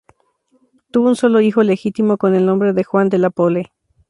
Tuvo un solo hijo legítimo con el nombre de Juan de la Pole.